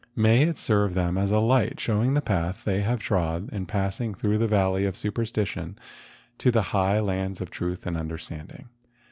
May it serve them as a light show¬ ing the path they have trod in passing through the valley of superstition to the high lands of truth and understanding.